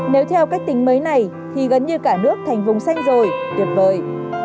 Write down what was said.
nếu theo cách tính mới này thì gần như cả nước thành vùng xanh rồi tuyệt vời